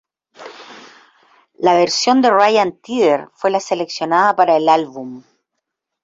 La versión de Ryan Tedder fue la seleccionada para el álbum.